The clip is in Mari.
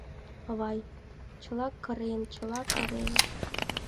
— Авай, чыла кырен, чыла кырен!